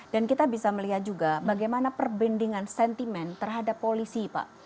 dan kita bisa melihat juga bagaimana perbendingan sentimen terhadap polisi pak